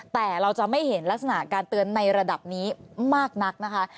แต่เราจะไม่เห็นลักษณะการเตือนในระดับนี้มากนักนะคะ